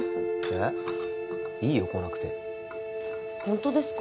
えっいいよ来なくてホントですか？